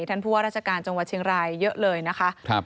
ท่านผู้ว่าราชการจังหวัดเชียงรายเยอะเลยนะคะ